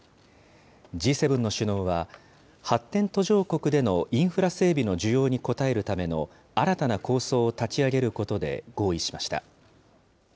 Ｇ７の首脳は、発展途上国でのインフラ整備の需要に応えるための新たな構想を立ち上げることで合意しました。